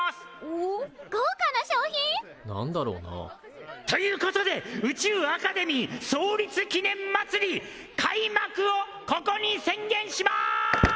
何だろうな？ということで宇宙アカデミー創立記念まつり開幕をここに宣言します！